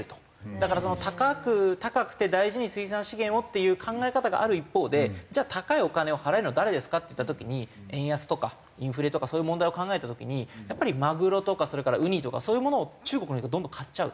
だから高く高くて大事に水産資源をっていう考え方がある一方でじゃあ高いお金を払えるのは誰ですかっていった時に円安とかインフレとかそういう問題を考えた時にやっぱりマグロとかそれからウニとかそういうものを中国の人どんどん買っちゃうと。